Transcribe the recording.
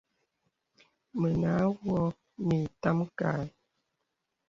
Mə awɔ̄ nə ìtam kaɛ̂.